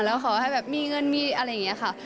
แล้วขอให้แบบมีเงินมีอะไรอย่างนี้ค่ะ